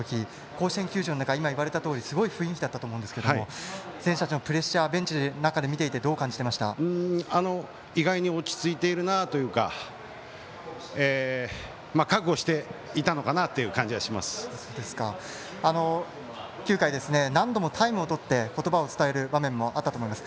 甲子園球場は言われたとおりすごい雰囲気だったと思うんですけど選手たちのプレッシャーベンチの中で見ていて意外に落ち着いているなというか覚悟していたのかなという９回、何度もタイムをとって言葉を伝える場面もあったと思います。